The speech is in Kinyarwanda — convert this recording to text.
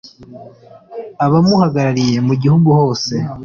abamuhagarariye mu gihugu hose